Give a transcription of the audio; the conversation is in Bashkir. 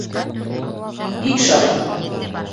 Бик шатмын.